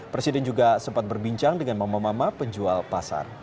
presiden juga sempat berbincang dengan mama mama penjual pasar